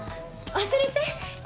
忘れて。